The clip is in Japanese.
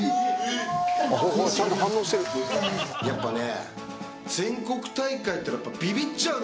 やっぱね。